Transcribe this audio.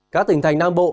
các tỉnh thành nam bộ